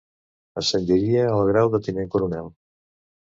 Ascendiria al grau de tinent coronel.